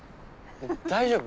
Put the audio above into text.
大丈夫？